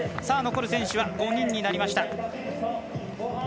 残る選手は５人となりました。